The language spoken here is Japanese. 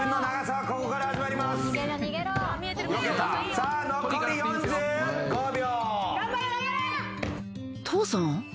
さあ残り４５秒。